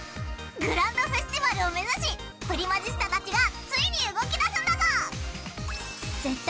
グランドフェスティバルを目指しプリマジスタたちがついに動き出すんだぞ。